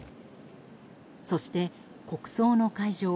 そして、国葬の会場